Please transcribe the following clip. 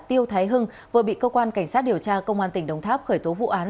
tiêu thái hưng vừa bị cơ quan cảnh sát điều tra công an tỉnh đồng tháp khởi tố vụ án